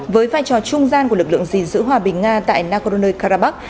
với vai trò trung gian của lực lượng gìn giữ hòa bình nga tại nagorno karabakh